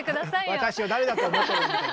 「私を誰だと思ってるの」みたいな？